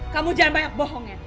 kamu jangan banyak bohongin